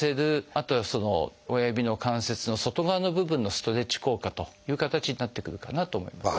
あとは親指の関節の外側の部分のストレッチ効果という形になってくるかなと思います。